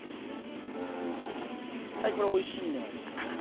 絶対これおいしいんだよね。